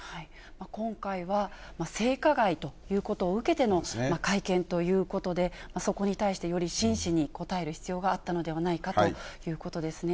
今回は性加害ということを受けての会見ということで、そこに対してより真摯に答える必要があったのではないかということですね。